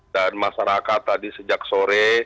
dan masyarakat tadi sejak sore